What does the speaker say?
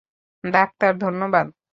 Doctor, ধন্যবাদ।